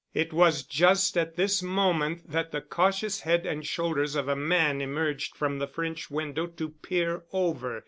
It was just at this moment that the cautious head and shoulders of a man emerged from the French window to peer over.